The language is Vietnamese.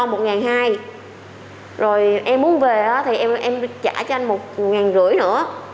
rồi em muốn về thì em trả cho anh một năm trăm linh nữa